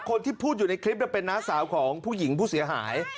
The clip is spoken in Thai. คนที่พูดอยู่ในคลิปเป็นน้าสาวของผู้หญิงผู้เสียหาย